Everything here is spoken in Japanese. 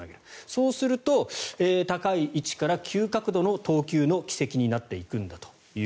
そうすると高い位置から急角度の投球の軌跡になっていくんだと。